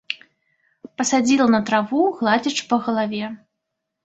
Пасадзіла на траву, гладзячы па галаве.